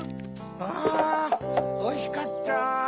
あおいしかった。